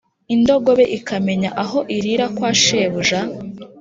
indogobe ikamenya aho irira kwa shebuja,